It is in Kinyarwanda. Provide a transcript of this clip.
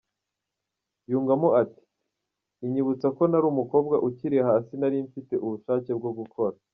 Yungamo ati “Inyibutsa ko nari umukobwa ukiri hasi nari mfite ubushake bwo gukora.